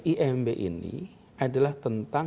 imb ini adalah tentang